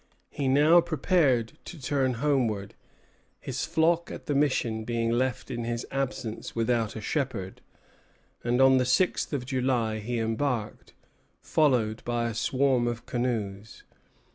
He now prepared to turn homeward, his flock at the mission being left in his absence without a shepherd; and on the sixth of July he embarked, followed by a swarm of canoes.